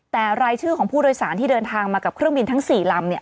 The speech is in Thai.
แต่รายชื่อของผู้โดยสารที่เดินทางมากับเครื่องบินทั้ง๔ลำ